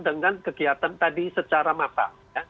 dengan kegiatan tadi secara matang